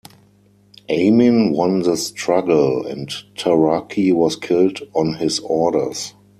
Amin won the struggle, and Taraki was killed on his orders.